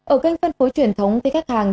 ở kênh phân phối truyền thống thì khách hàng